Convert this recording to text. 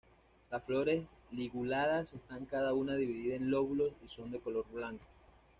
Las flores liguladas están cada una dividida en lóbulos y son de color blanco.